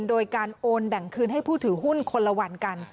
โดยการโอนแบ่งคืนให้ผู้ถือหุ้นคนละวันกัน